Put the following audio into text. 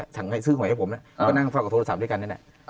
สั่งให้ซื้อหวยให้ผมนะก็นั่งฟังกับโทรศัพท์ด้วยกันนะ